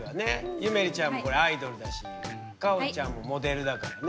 ゆめりちゃんもこれアイドルだしかおちゃんもモデルだからね。